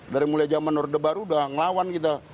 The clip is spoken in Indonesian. dari mulai zaman orde baru udah ngelawan kita